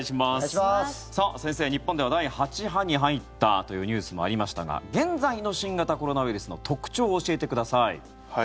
先生、日本では第８波に入ったというニュースもありましたが現在の新型コロナウイルスの特徴を教えてください。